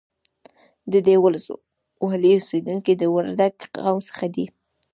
د دې ولسوالۍ اوسیدونکي د وردگ قوم څخه دي